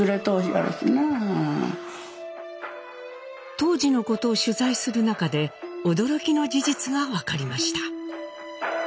当時のことを取材する中で驚きの事実が分かりました。